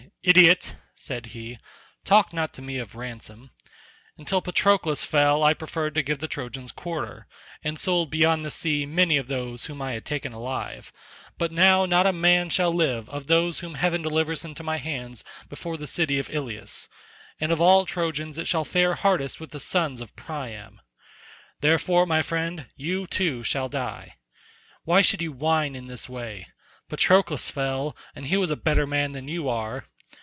"Idiot," said he, "talk not to me of ransom. Until Patroclus fell I preferred to give the Trojans quarter, and sold beyond the sea many of those whom I had taken alive; but now not a man shall live of those whom heaven delivers into my hands before the city of Ilius—and of all Trojans it shall fare hardest with the sons of Priam. Therefore, my friend, you too shall die. Why should you whine in this way? Patroclus fell, and he was a better man than you are.